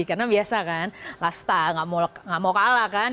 karena biasa kan lifestyle gak mau kalah kan